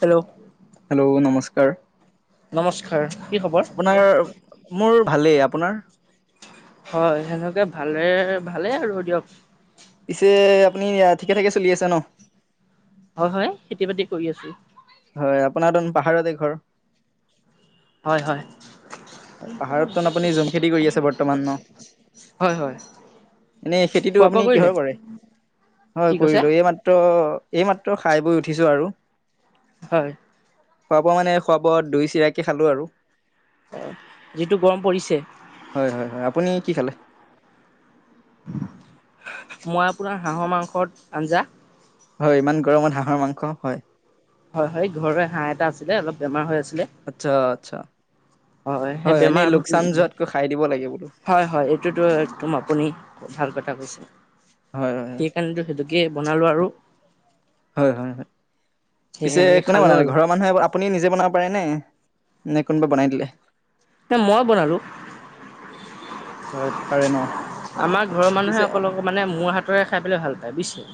Hello hello নমস্কাৰ নমস্কাৰ। কি খবৰ আপোনাৰ মোৰ ভালেই আপোনাৰ। হয় সেনেকে ভালে ভালেই আৰু দিয়ক। পিছে আপুনি ঠিকে ঠাকে চলি আছে ন। হয় হয় খেতি বাতি কৰি আছো। হয় আপোনাৰতোন এন পাহাৰতে ঘৰ। হয় হয়। পাহাৰততো আপুনি জুম খেতি কৰি আছে বৰ্তমান ন হয় হয়। এনেই খেতিটো খোৱা বোৱা আপুনি কৰিলে কিহৰ কৰে হয় কি কৈছে কৰিলো এই মাত্ৰ এইমাত্ৰ খাই বৈ উঠিছো আৰু। হয়। খোৱা বোৱা মানে খোৱা বোৱা দৈ চিৰাকি খালো আৰু। আহ যিটো গৰম পৰিছে। হয় হয় হয় আপুনি কি খালে। মই আপোনাৰ হাঁহৰ মাংসত আঞ্জা হয় ইমান গৰমত হাঁহৰ মাংস হয়। হয় হয় ঘৰৰে হাঁহ এটা আছিলে অলপ বেমাৰ হৈ আছিল। আচ্ছা আচ্ছা সেই হয় বেমাৰ এনেই লোকচান যোৱাতকৈ খাই দিব লাগে। বোলো হয় হয় এইটোতো একদম আপুনি ভাল কথা কৈছে। হয় হয় হয় সেই কাৰণেতো সেইটোকে বনালো আৰু। হয় হয় হয় সেই পিছে এনেকে কোনেবা খালো বনালে আৰু ঘৰৰ মানুহে আপুনি নিজে বনাব পাৰে নে নে কোনোবা বনাই দিলে। এ মই বনালো। হয় পাৰে ন। আমাৰ ঘৰৰ মানুহে পিছে অকলক মানে মোৰ হাতৰে খাই পেলাই ভাল পায় বুজিছে।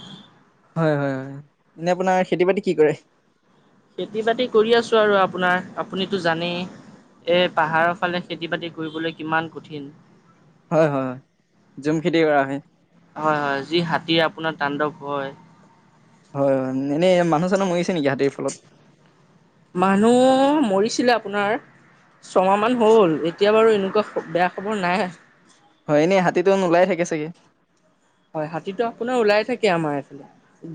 হয় হয় হয় এনে আপোনাৰ খেতি বাতি কি কৰে। খেতি বাতি কৰি আছো আৰু আপোনাৰ আপুনিতো জানেই। এ পাহাৰৰ ফালে খেতি বাতি কৰিবলৈ কিমান কঠিন। হয় হয় হয় জুম খেতি কৰা হয়। হয় হয় যি হাতী আপ আপোনাৰ তাণ্ডৱ হয়। হয় হয় এনে মানুহ চানু মই মানুহ মৰিছিলে আপোনাৰ ছমাহান হ'ল এতিয়া বাৰু এনেকুৱা বেয়া খবৰ নাই। হয় এনেই হাতীটো নোলাই থাকে চাগে। হয় হাতীটো আপোনাৰ ওলাই থাকে আমাৰ এইফালে,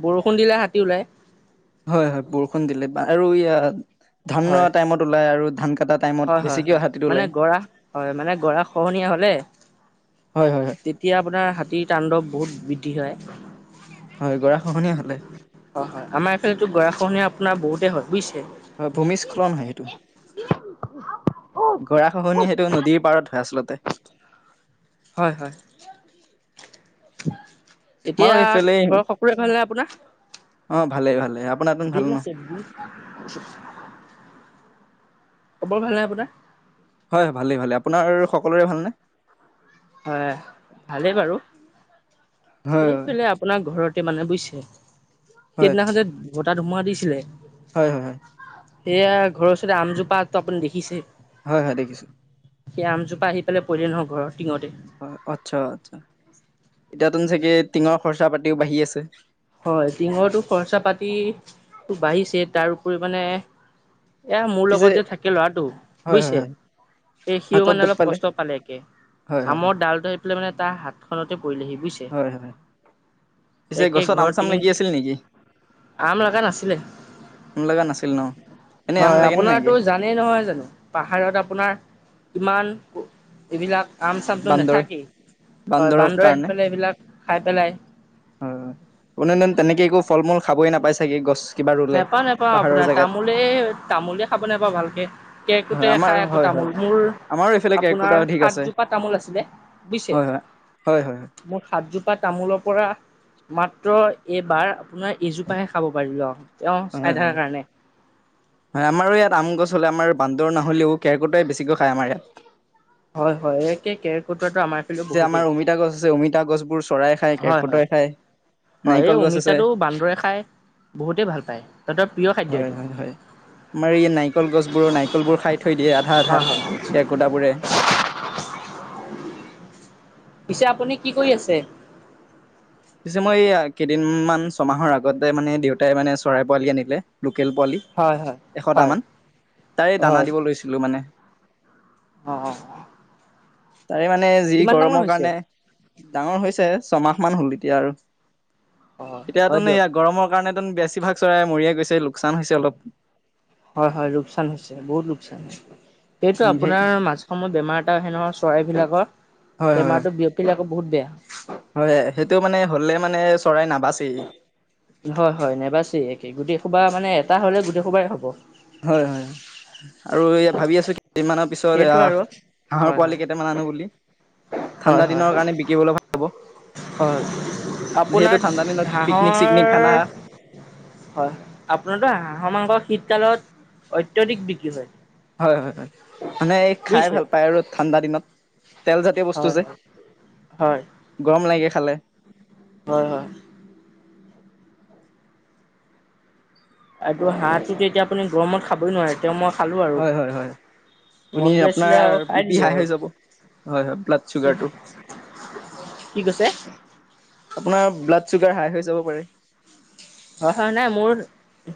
বৰষুণ দিলে হাতী ওলাই। হয় হয় বৰষুণ দিলে আৰু ই ধান হয় টাইমত ওলাই আৰু ধান কটা টাইমত হয় হয় বেছিকে হয় হাতীটো মানে ওলাই। গৰা হয় মানে গৰা খহনীয়া হলে হয় হয় হয়। তেতিয়া আপোনাৰ হাতীৰ তাণ্ডৱ বহুত বৃদ্ধি হয় হয় গৰা খহনীয়া হলে হয় হয় আমাৰ এইফালো গৰাখনীয়া আপোনাৰ বহুতে হয় বুজিছে। হয় ভূমিস্খলন হয় সেইটো গৰা খহনিয়া সেইটো নদীৰ পাৰত হয় আচলতে হয় হয় আমাৰো এতিয়া এইফালে ঘৰৰ সকলোৰে ভাল লাগে আপোনাৰ? অ ভালে ভালে আপোনাৰ তোন ভাল ন? [unintelligible] খবৰ ভাল নাই আপোনাৰ। হয় হয় ভালেই ভালেই আপোনাৰ সকলোৰে ভালনে? হয় ভালেই বাৰু, হয় হয়। এইফালে আপোনাৰ ঘৰত। মানে বুজিছে হয় সেইদিনাখন যে বতা ধুমুহা দিছিলে হয় হয় হয়। সেয়া ঘৰৰ ওচতে আমজোপাটো আপুনি দেখিছে হয় হয় দেখিছোঁ সেই আমজোপা আহি পাই পৰিলে নহয় ঘৰ টিঙতে হয় আচ্ছা আচ্ছা এতিয়াতোন চাগে টিঙৰ খৰচা পাতিও বাঢ়ি আছে হয় টিঙৰটো খৰচা পাতিটো বাঢ়িছে তাৰপৰি মানে এয়া মোৰ পিছে লগত যে থাকে ল'ৰাটো হয় হয় বুজিছে হয় সেই সিও হাতত মানে দুখ অলপ কষ্ট পালে একে হয় হয় আমৰ ডালো মানে তাৰ হাতখনতে পৰিলেহি বুজিছে এক ৰামচাম লাগি আছিল নেকি আম লগা নাছিলে আম লগা নাছিল ন এনেই আম হয় লাগে নে আপোনাৰতো নালাগে জানেই নহয় জানো পাহাৰত আপোনাৰ কিমান এইবিলাক আম চামটো বান্দৰ নাথাকি হয় বান্দৰৰ বান্দৰ আহি কাৰণে পেলাই এইবিলাক খাই পেলাই কোনোদিন তেনেকে একো ফল মূল খাবই নাপাই চাগে গছ কিবা ৰুলে নেপাও নাপাও পাহাৰৰ আপোনাৰ জেগাত তামোলে তামোলে খাব নোপাও ভালকে হয় কেকোটোৰা আমাৰ খাই আকৌ হয় তামোল তামোল হয় মোৰ আমাৰো এইফালে আপোনাৰ কেৰ্কেটুৱা অধিক আছে সাতজোপা তামোল আছিলে বুজিছে হয় হয় হয় হয় মোৰ সাতজোপা তামোলৰ পৰা মাত্ৰ এইবাৰ আপোনাৰ এজোপাহে খাব পাৰিব হয় হয় হয় আমাৰো ইয়াত আম গছ হলে আমাৰ বান্দৰ নহ'লেও কেৰকোটোৱাই বেছিকৈ খায় আমাৰ ইয়াত হয় হয় একেই কেৰেকোটোৱাটো আমাৰ ফালেও পিছে আমাৰ বহুতেই অমিতা গছ আছে অমিতা গছবোৰ চৰাই খায় হয় হয় কেকোটোৰাই খায় হয় এই নাৰিকল গছ আছে অমিতাটো বান্দৰে খাই বহুতেই ভাল পায় তাহঁতৰ প্ৰিয় খাদ্য হয় এইটো হয় হয় আমাৰ এই নাৰিকল গছবোৰৰ নাৰিকলবোৰ খাই থৈ দিয়ে আধা আধা হয় হয়। কেৰকুটোৱা বোৰে [inaudible] পিছে আপুনি কি কৰি আছে পিছে মই এই কেইদিনমান ছয়মাহৰ আগতে মানে দেউতাই মানে চৰাই পোৱালি আনিলে লোকেল পোৱালি হয় হয় হয় এশটামান তাৰে হয়। দানা দিব লৈছিলোঁ মানে অ তাৰে মানে যি কিমান ডাঙৰ গৰমৰ হৈছে? কাৰণে ডাঙৰ হৈছে ছমাহমান হ'ল এতিয়া আৰু হয় হয় দিয়ক এতিয়াতোনয গৰমৰ কাৰণ বেছিভাগ চৰাই মৰিয়ে গৈছে লোকচান হৈছে অলপ হয় হয় লোকচান হৈছে বহুত লোকচান এইটো উম, সেই আপোনাৰ মাজ সময়ত বেমাৰ এটা আহে নহয় চৰাইবলাকৰ হয় হয় হয় বেমাৰতো বিয়পিলে আকৌ বহুত বেয়া হয় সেইটো মানে হলে মানে চৰাই নাবাচেই হয় হয় নেবাচেই একে গোটেই খোবা মানে এটা হলে গোটেই খোবাই হ'ব হয় হয় আৰু ভাবি আছো কি কেইমাহমানৰ পিছত সেইটো আৰু। আহ হাঁহৰ হয় হয় পোৱালি কেইটামান আনো বুলি হয় ঠাণ্ডা হয় দিনৰ কাৰণে বিকিবলৈ ভাল হ'ব হয় যিহেতু আপোনাৰ ঠাণ্ডা দিনত পিকনিক চিকনিক খানা হাঁহৰ হয় আপোনাৰতো হাঁহৰ মাংস শীতকালত অত্যাধিক বিক্ৰী হয়। হয় হয় হয় মানে এই খাই বুজিছে ভাল পায় আৰু ঠাণ্ডা দিনত তেল জাতীয় বস্তু হয় যে হয় হয় গৰম লাগে খালে হয় হয় আৰু হাঁহটো এতিয়া আপুনি গৰমত খাবই নোৱাৰে তেওঁ মই খালো আৰু হয় হয় হয় আপুনি মন গৈ আপোনাৰ আছিলে আৰু বি খাই পি দিলো হাই হৈ যাব হয় হয় ব্লাড আৰু চুগাৰটো কি কৈছে আপোনাৰ ব্লাড চুগাৰ হাই হৈ যাব পাৰে হয় হয় নাই মোৰ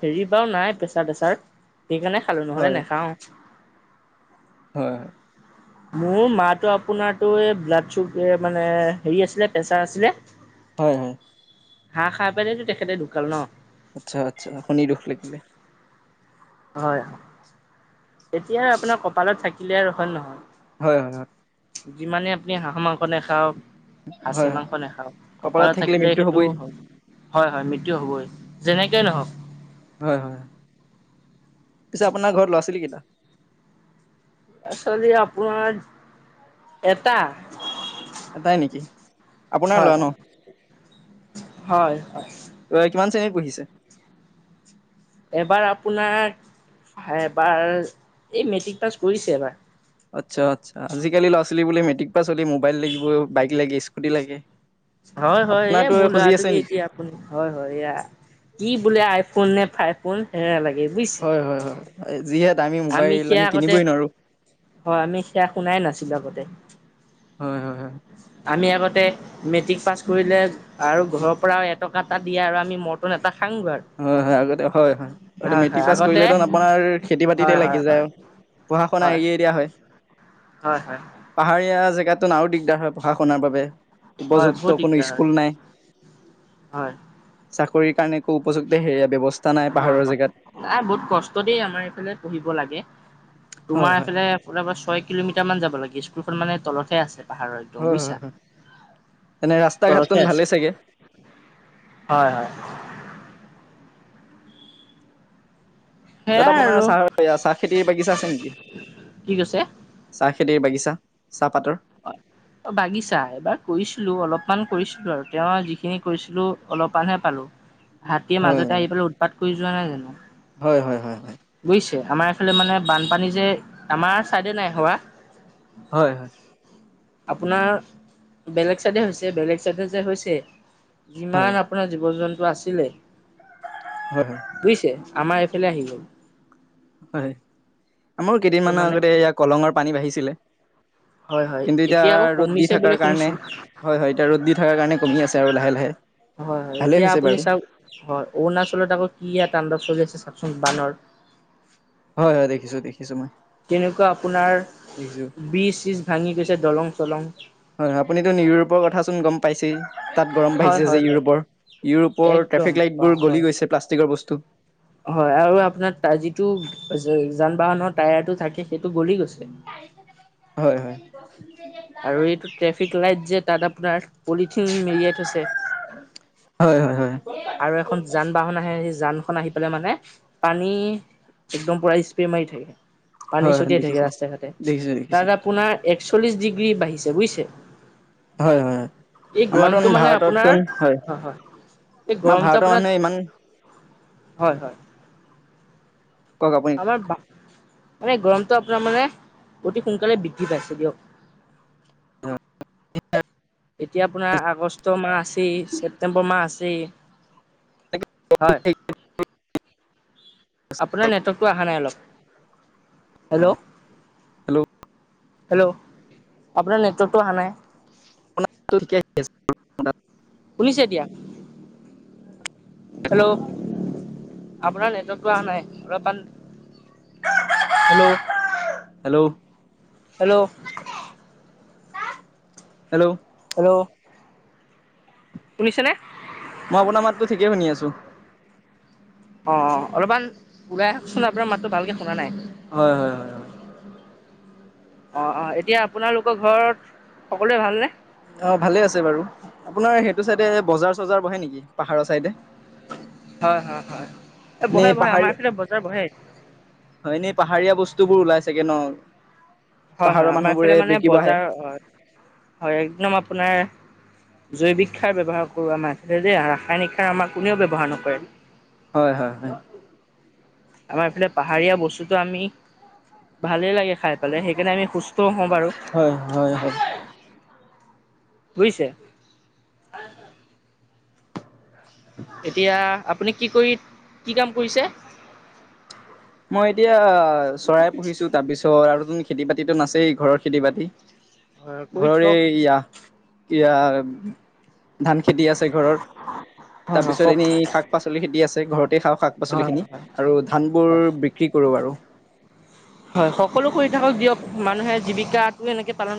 হেৰি বাৰু নাই প্ৰেছাৰ চেঁচাৰ সেইকাৰণে খালো নহ'লে হয় নাখাও হয় মোৰ মাৰটো আপোনাৰতো এই ব্লাড চুগাৰ মানে হেৰি আছিলে প্ৰেচাৰ আছিলে হয় হয় হাঁহ খাই পিনে তেখেতে ঢোকাল ন আচ্ছা আচ্ছা শুনি দুখ লাগিলে হয় এতিয়া আৰু আপোনাৰ কপালত থাকিলে আৰু হয় নহয় হয় হয় হয় যিমানে আপুনি হাঁহ মাংস নেখাওক খাচী হয় হয় মাংস নেখাও কপালত থাকিলে সেইটো হয় হয় মৃত্যু হবই যেনেকেই নহওক হয় হয় পিছে আপোনাৰ ঘৰত লোৱা আছিল কিেইটা ছোৱালী আপোনাৰ এটা এটাই নেকি আপোনাৰ হয় লৰা ন হয় হয় হয় অ কিমান শ্ৰেণীত পঢ়িছে এবাৰ আপোনাৰ এবাৰ এই মেট্ৰিক পাছ কৰিছে এবাৰ আচ্ছা আচ্ছা আজিকালি ল'ৰা ছোৱালী বোলে মেট্ৰিক পাছ চলি মোবাইল লাগিব বাইক লাগে স্কুটি লাগে হয় হয় এ আপোনাৰতো মোৰ খুজি আছে ল'ৰাটোকে নেকি এতিয়া আপোন হয় হয় এয়া কি বোলে আইফোন নে ফাই ফোন সেয়া লাগে বুজিছে হয় হয় হয় যিহেতু আমি সেয়া আগতে হয় আমি সেয়া শুনাই নাছিলো আগতে হয় হয় হয় আমি আগতে মেট্ৰিক পাছ কৰিলে আৰু ঘৰৰ পৰাও টকা এটা দিয়ে আৰু আমি মৰন এটা খাংগৈ হয়, হয়, আগতে হয় হয় আ আৰু হয় মেট্ৰিক হয় পাছ কৰিলে আগতে আপোনাৰ খেতি বাতি হয় তেয়া লাগি হয় যায় হয় আৰু পঢ়া শুনা হয় এৰিয়ে দিয়া হয়। হয় হয় পাহাৰীয়া জেগাতন আৰু দিগদাৰ হয় পঢ়া শুনাৰ বাবে হয় বহুত উপযুক্ত কোনো দিগদাৰ স্কুল নাই হয় চাকৰিৰ কাৰণে একো উপযুক্ত হেৰিয়া ব্যৱস্থা নাই হয়, পাহাৰৰ হয়, জেগাত নাই বহুত কষ্ট দ আমাৰ এইফালে পঢ়িব লাগে। তোমাৰ হয় হয় এইফালে ওল ছয় কিলোমিটাৰ মান যাব লাগে স্কুলখন মানে তলতহে আছে। পাহাৰৰ একদম হয় হয় বুজিছা হয় এনে ৰাস্তা ঘাটটো তলতে আছে। ভালেই চাগে হয়, হয়, তাত সেয়াই আপোনাৰ আৰু চাহ চাহ খেতিৰ বাগিছা আছে নেকি? কি কৈছে চাহ খেতি খেতিৰ বাগিচা চাহপাতৰ হয়, অ, বাগিছা এবাৰ কৰিছিলো অলপমান কৰিছিলো আৰু তেওঁ যিখিনি কৰিছিলো অলপমানহে পালো হাতীয়ে হয় মাজতে আহি পাই উৎপাত কৰি যোৱা নাই জানো হয়, হয়, হয়, হয়, বুজিছে আমাৰ এইফালে মানে বানপানী যে আমাৰ চাইডে নাই হোৱা হয়, হয়, আপোনাৰ বেলেগ চাইডে হৈছে বেলেগ চাইডে যে হৈছে। হয় যিমান আপোনাৰ জীৱ জন্তু আছিলে হয় হয় বুজিছে আমাৰ খে আহি গল হয়, আমাৰো কেইদিনমানৰ মানে আগতে এ কলঙৰ পানী বাঢ়িছিলে হয়, হয়, কিন্তু এতিয়া আকৌ ৰ'দ দি কমিছে বোলে থকাৰ কাৰণে শুনিছো। হয় হয় এতিয়া ৰ'দ দি থকাৰ কাৰণে কমি আছে আৰু লাহে লাহে হয়, হয়, ভালেই এতিয়া হৈছে আপুনি বাৰু চাওক হয় অৰুণাচলত আকৌ কি তাণ্ডৱ চলি আছে চাওক চ বানৰ হয়, হয়, দেখিছো দেখিছো মই কেনেকুৱা আপোনাৰ দেখিছো বীজ চীজ ভাঙি গৈছে দলং চলং হয়, হয়, আপনিতো নিউ ইউৰোপৰ কথাচোন গম পাইছেই তাত গৰম হয় বাঢ়িছে হয় যে হয় ইউৰোপৰ ইউৰোপৰ একদম ট্ৰেফিক লাইট বা বোৰ হয় গলি গৈছে প্লাষ্টিকৰ বস্তু হয়, আৰু আপোনাৰ ত যিটো যান বাহনৰ টায়াৰটো থাকে সেইটো গলি গৈছে। হয়, হয়, আৰু এইটো ট্ৰেফিক লাইট যে তাত আপোনাৰ পলিথিন মেৰিয়াই থৈছে। হয়, হয়, হয়, আৰু এখন যান বাহন আহে সেই জান খন আহি পাই মানে পানী একদম পুৰা স্প্ৰে মাৰি থাকে হয় পানী হয় ছটিয়াই থাকে দেখিছো ৰাস্তা ঘাটে দেখিছো দেখিছো তাত আপোনাৰ একচল্লিশ গ্ৰী বাঢ়িছে বুজিছে হয়, হয়, হয়, এই আমাৰ গৰমটো তোন মানে আপোনাৰ ভাৰততোন হয়। এই আমাৰ গৰমটো ভাৰতৰ আপোনাৰ মানুহে ইমান হয়, হয়, ক'ক আপোনি ক'ক আমাৰ মানে গৰমটো আপোনাৰ মানে অতি সোনকালে বৃদ্ধি পাইছে দিয়ক [unintelligible] এতিয়া আপোনাৰ আগষ্ট মাহ আছেই ছেপটেম্বৰ মাহ আছেই হয় [unintelligible] আপোনাৰ নেটৱৰ্কটো অহা নাই অলপ হেল্ল' হেল্ল', হেল্ল' আপোনাৰ নেটৱৰ্কটো অহা নাই [inaudible] শুনিছে এতিয়া হেল্ল', আপোনাৰ নেটৱৰ্কটো অহা নাই অলপমান- hello hello hello hello hello শুনিছনে। মই আপোনাৰ মাততো ঠিকেই শুনি আছো। অ, অ অলপমান ওলাই আহ শুনাৰ পৰা মাতটো ভালকে শুনা নাই। হয় হয় হয় অ অ এতিয়া আপোনালোকৰ ঘৰত সকলোৱে ভালনেে? অ ভালে আছে বাৰু আপোনাৰ সেইটো চাই বজাৰ চজাৰ বহে নেকি পাহাৰৰ চাইডে। হয় হয় হয়। এই এ বহে বহে আমাৰ পাহাৰীয়া এইফালে বজাৰ বহে হয়নে পাহাৰীয়া বস্তুবোৰ ওলাইছে। তাকে ন। হয় পাহাৰৰ হয় আমাৰ মানুহবোৰে এইফালে মানে বিকিব আহে বজাৰ অ হয় একদম আপোনাৰ জৈৱিক সাৰ ব্যৱহাৰ কৰো মা যে ৰাসায়নিক সাৰ আমাৰ কোনেও ব্যৱহাৰ নকৰে হয় হয় হয় আমাৰ ইফালে পাহাৰীয়া বস্তুতটো আমি ভালে লাগে খাই পালাই সেইকাৰণে আমি সুস্থ হওঁ বাৰু হয় হয় হয় বুজিছে উ হ এতিয়া আপুনি কি কৰি কি কাম কৰিছে? মই এতিয়া চৰাই পুহিছো তাৰ পিছত আৰু তুমি খেতি বাতিতোন আচেই ঘৰৰ খেতি বাতি- হয় কৰি ঘৰৰে থাকক এৰিয়া ইয়াৰ ধান খেতি আছে, ঘৰৰত হয় তাৰপিছত হয় এনেই শাক পাচলি খেতি আছে ঘৰতে খাওঁ শাক। পচল হয় খিনি আৰু ধান বোৰ হয় বিক্ৰী কৰো বাৰু। হয় সকলো কৰি থাকক দিয়ক মানুহে জীৱিকাটো এনেকে পালন